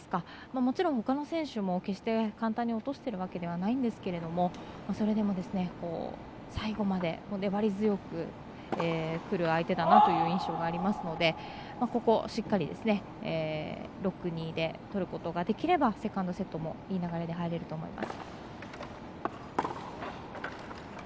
もちろん、ほかの選手も決して簡単に落としてるわけではないんですけど、それでも最後まで粘り強くくる相手だなという印象ありますので、ここしっかり６−２でとることができればセカンドセットもいい流れで入れると思います。